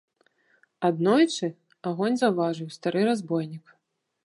Аднойчы агонь заўважыў стары разбойнік.